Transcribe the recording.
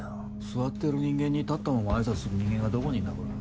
座ってる人間に立ったまま挨拶する人間がどこにいんだこら。